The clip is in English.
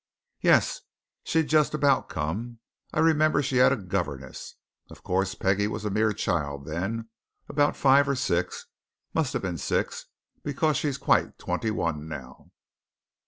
"Yes, she'd just about come. I remember she had a governess. Of course, Peggie was a mere child then about five or six. Must have been six, because she's quite twenty one now."